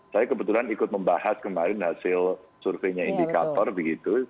saya kebetulan ikut membahas kemarin hasil surveinya indikator begitu